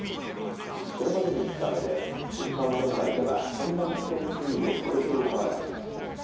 これまでに降った雨で石川県内では氾濫危険水位を超えている川があります。